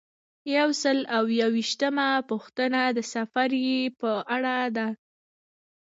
یو سل او یو ویشتمه پوښتنه د سفریې په اړه ده.